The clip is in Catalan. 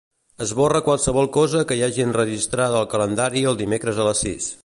Esborra qualsevol cosa que hi hagi enregistrada al calendari el dimecres a les sis.